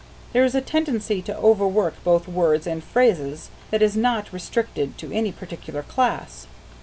There is a tendency to overwork both words and phrases that is not restricted to any particular class.